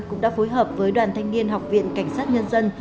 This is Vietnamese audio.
cũng đã phối hợp với đoàn thanh niên học viện cảnh sát nhân dân